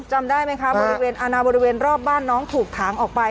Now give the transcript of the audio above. จำได้ไหมคะบริเวณอาณาบริเวณรอบบ้านน้องถูกถางออกไป